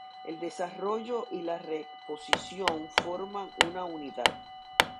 El desarrollo y la reexposición forman una unidad.